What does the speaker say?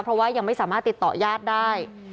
เพราะว่ายังไม่สามารถติดต่อญาติได้